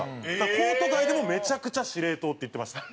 コート外でもめちゃくちゃ司令塔って言ってました。